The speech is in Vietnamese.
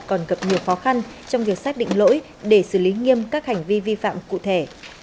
còn gặp nhiều khó khăn trong việc xác định lỗi để xử lý nghiêm các hành vi vi phạm cụ thể